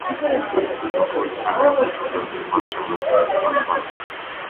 The Thorold family moved to a new mansion at Syston Park.